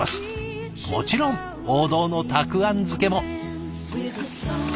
もちろん王道のたくあん漬けも。